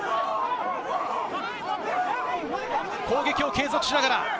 攻撃を継続しながら。